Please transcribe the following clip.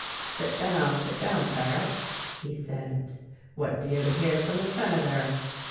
"Sit down, sit down, Paret," he said. "What do you hear from the Senator?"